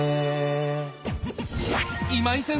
今井先生！